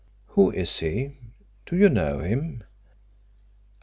"Who is he? Do you know him?"